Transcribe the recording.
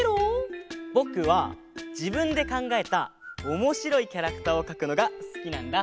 ぼくはじぶんでかんがえたおもしろいキャラクターをかくのがすきなんだ。